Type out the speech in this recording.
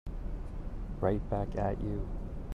Right back at you.